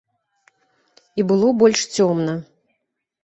І было больш цёмна.